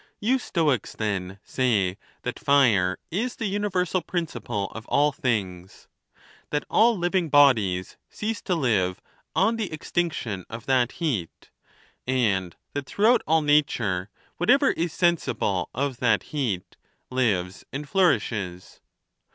You Stoics, then, say that 330 THE NATURE OF THE GODS. fire is the universal principle of all things ; that all living bodies cease to live on the extinction of that heat; and that throughout all nature whatever is sensible of that _ heat lives and flourishes.